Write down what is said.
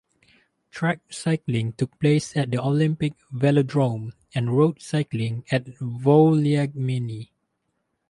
Track cycling took place at the Olympic Velodrome, and road cycling at Vouliagmeni.